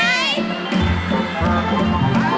ผ่านนะครับ